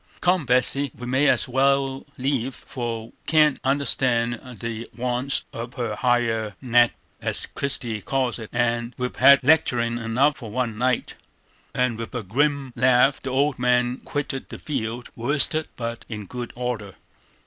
Come, Betsey, we may as wal leave, for we can't understand the wants of her higher nater, as Christie calls it, and we've had lecterin' enough for one night." And with a grim laugh the old man quitted the field, worsted but in good order.